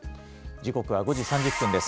時刻は５時３０分です。